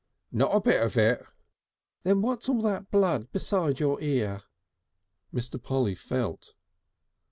"Not a bit of it!" "Then what's all that blood beside your ear?" Mr. Polly felt.